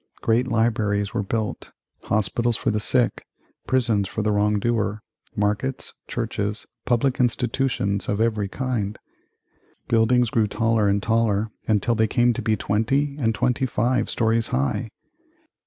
Great libraries were built; hospitals for the sick; prisons for the wrong doer, markets, churches, public institutions of every kind. Buildings grew taller and taller until they came to be twenty and twenty five stories high.